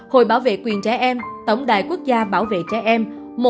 hội bảo vệ quyền trẻ em tổng đài quốc gia bảo vệ trẻ em